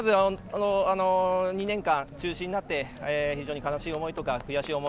２年間、中止になって本当に悲しい思いとか悔しい思い